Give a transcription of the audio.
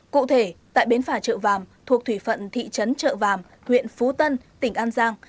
cụ thể tại bến phà trợ vàm thuộc thủy phận thị trấn trợ vàm huyện phú tân tỉnh an giang